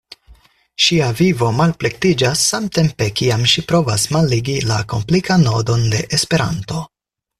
Ŝia vivo malplektiĝas samtempe kiam ŝi provas malligi la komplikan nodon de Esperanto.